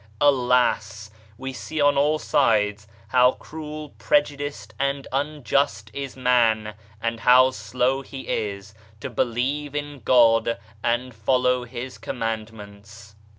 Alas ! we see on all sides how cruel, prejudiced and unjust is man, and how slow he is to believe in God and follow His commandments.